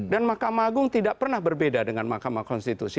dan mahkamah agung tidak pernah berbeda dengan mahkamah konstitusi